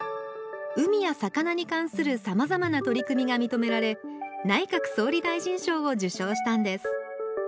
海や魚に関するさまざまな取り組みがみとめられ内閣総理大臣賞を受賞したんです